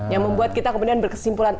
yang membuat kita kemudian berkesimpulan